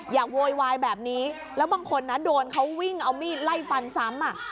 โวยวายแบบนี้แล้วบางคนนะโดนเขาวิ่งเอามีดไล่ฟันซ้ำ